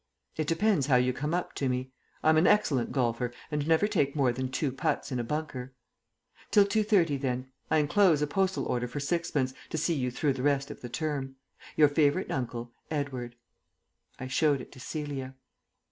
It depends how you come up to me. I am an excellent golfer and never take more than two putts in a bunker. "Till 2.30 then. I enclose a postal order for sixpence, to see you through the rest of the term. "Your favourite uncle, "EDWARD." I showed it to Celia.